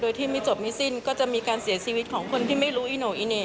โดยที่ไม่จบไม่สิ้นก็จะมีการเสียชีวิตของคนที่ไม่รู้อีโน่อีเหน่